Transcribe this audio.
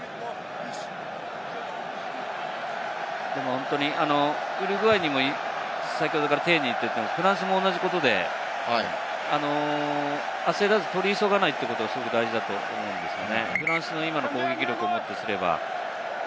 本当にウルグアイにも先ほどから丁寧にと言っていますがフランスも同じで、焦らず、取り急がないということが大事ですね。